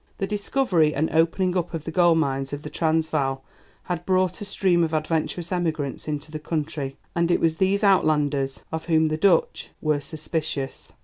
The discovery and opening up of the gold mines of the Transvaal had brought a stream of adventurous emigrants into the country, and it was these 'Outlanders' of whom the Dutch were suspicious.